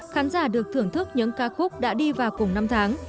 khán giả được thưởng thức những ca khúc đã đi vào cùng năm tháng